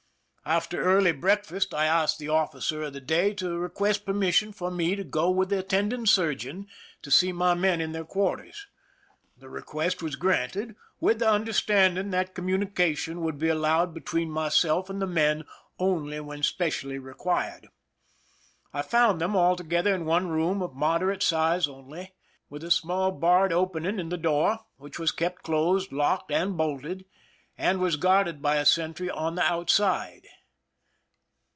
After early breakfast I asked the officer of the day to request permission for me to go with the attending surgeon to see my men in their quarters. The request was granted, with the understanding that communication would be allowed between myself and the men only when specially required. I found them all together in one room of moderate size only, with a small barred opening in the door, which was kept closed, locked, and bolted, and was guarded by a sentry on the outside.